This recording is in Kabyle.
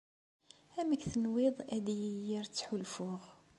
Amek tenwiḍ ad yi-yerr ttḥulfuɣ?